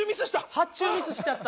発注ミスしちゃった？